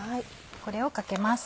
これをかけます。